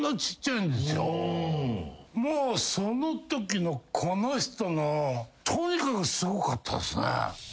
もうそのときのこの人のとにかくすごかったっすね。